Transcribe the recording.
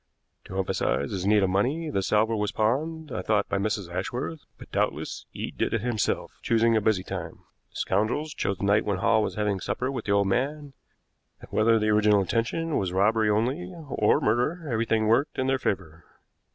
To emphasize his need of money, the salver was pawned, I thought by Mrs. Ashworth, but doubtless Eade did it himself, choosing a busy time. The scoundrels chose the night when Hall was having supper with the old man, and whether the original intention was robbery only or murder, everything worked in their favor.